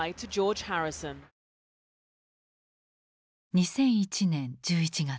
２００１年１１月。